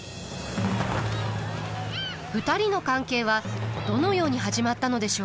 ２人の関係はどのように始まったのでしょうか。